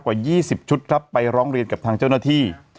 กว่า๒๐ชุดครับไปร้องเรียนกับทางเจ้าหน้าที่